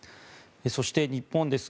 そして、日本です。